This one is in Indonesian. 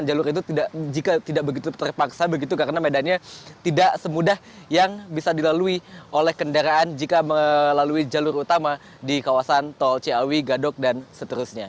jalur itu jika tidak begitu terpaksa begitu karena medannya tidak semudah yang bisa dilalui oleh kendaraan jika melalui jalur utama di kawasan tol ciawi gadok dan seterusnya